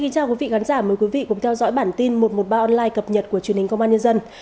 chào mừng quý vị đến với bản tin một trăm một mươi ba online cập nhật của truyền hình công an nhân dân